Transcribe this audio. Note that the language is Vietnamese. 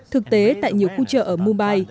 thực tế tại nhiều khu chợ ở mumbai